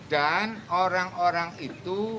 dan orang orang itu